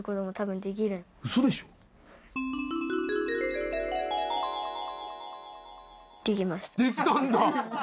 できたんだ。